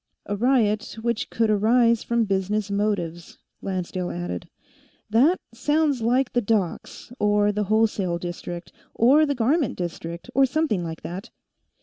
"A riot which could arise from business motives," Lancedale added. "That sounds like the docks, or the wholesale district, or the garment district, or something like that."